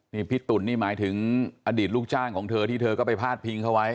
นี่พี่ตุ๋นนี่หมายถึงอดีตลูกจ้างของเธอที่เธอก็ไปพาดพิงเขาไว้